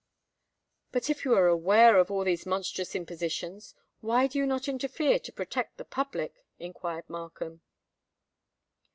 "But if you be aware of all these monstrous impositions, why do you not interfere to protect the public?" inquired Markham.